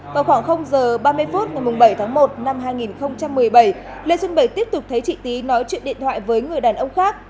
vào khoảng giờ ba mươi phút ngày bảy tháng một năm hai nghìn một mươi bảy lê xuân bảy tiếp tục thấy chị tý nói chuyện điện thoại với người đàn ông khác